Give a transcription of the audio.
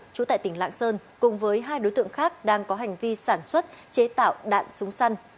trú tại tỉnh lạng sơn cùng với hai đối tượng khác đang có hành vi sản xuất chế tạo đạn súng săn